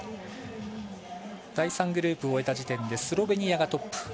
第３グループ終えた時点でスロベニアがトップ。